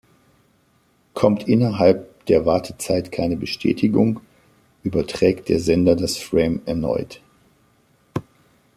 Kommt innerhalb der Wartezeit keine Bestätigung, überträgt der Sender das Frame erneut.